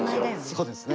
そうですね。